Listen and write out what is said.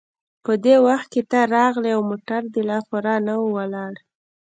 په دې وخت کې ته راغلې او موټر دې لا پوره نه و ولاړ.